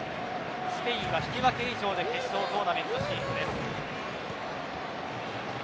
スペインは引き分け以上で決勝トーナメント進出です。